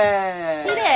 きれい！